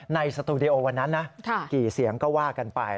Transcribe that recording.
สตูดิโอวันนั้นนะกี่เสียงก็ว่ากันไป